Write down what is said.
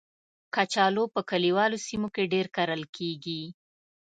کچالو په کلیوالو سیمو کې ډېر کرل کېږي